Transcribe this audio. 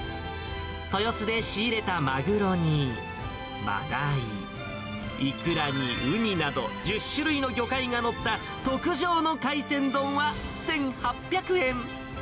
豊洲で仕入れたマグロにマダイ、イクラにウニなど１０種類の魚介が載った特上の海鮮丼は１８００円。